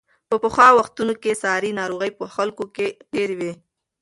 په پخوا وختونو کې ساري ناروغۍ په خلکو کې ډېرې وې.